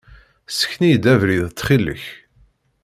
Ssken-iyi-d abrid ttxil-k.